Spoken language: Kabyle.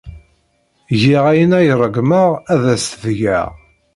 Giɣ ayen ay ṛeggmeɣ ad as-t-geɣ.